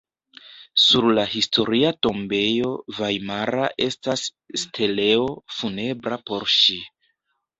Sur la Historia tombejo vajmara estas steleo funebra por ŝi.